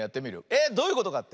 えっどういうことかって？